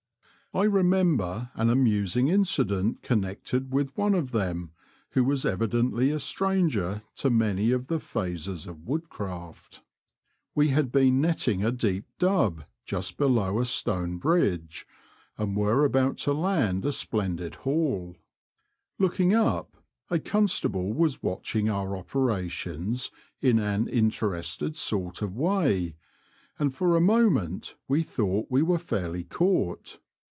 I remember an amusing incident connected with one of them who was evidently a stranger to many of the phases of woodcraft. We had been netting a deep dub just below a stone bridge, and were about to land a splendid haul. io8 T^he Confessions of a T^oacher. Looking up, a constable was watching our operations in an interested sort of way, and for a moment we thought we were fairly caught.